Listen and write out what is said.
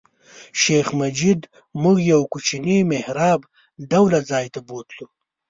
شیخ مجید موږ یو کوچني محراب ډوله ځای ته بوتلو.